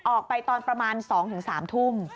ออกไปตอนประมาณ๒๓ทุ่ม